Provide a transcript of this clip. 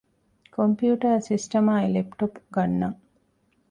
ކޮމްޕިއުޓަރ ސިސްޓަމާއި ލެޕްޓޮޕް ގަންނަން